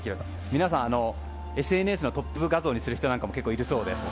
皆さん、ＳＮＳのトップ画像にする人なんかも結構いるそうです。